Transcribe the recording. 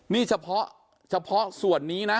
นี่เฉพาะส่วนนี้นะ